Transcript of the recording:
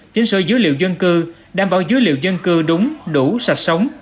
chính sở dữ liệu dân cư đảm bảo dữ liệu dân cư đúng đủ sạch sống